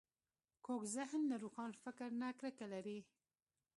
کوږ ذهن له روښان فکر نه کرکه لري